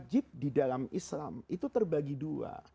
wajib di dalam islam itu terbagi dua